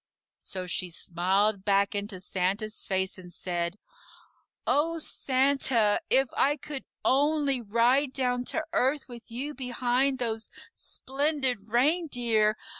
So she smiled back into Santa's face and said: "Oh, Santa, if I could ONLY ride down to Earth with you behind those splendid reindeer!